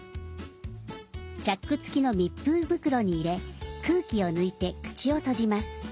チャック付きの密封袋に入れ空気を抜いて口を閉じます。